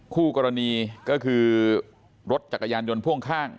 คู่กรณีก็คือรถจักรยานยนต์พ่วงข้าง